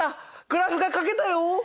グラフがかけたよ！